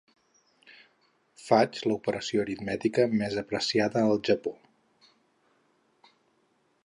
Faig l'operació aritmètica més apreciada al Japó.